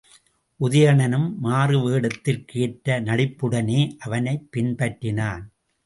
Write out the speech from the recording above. உதயணனும் மாறு வேடத்திற்கு ஏற்ற நடிப்புடனே அவனைப் பின்பற்றினான்.